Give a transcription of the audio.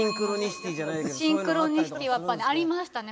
シンクロニシティはありましたね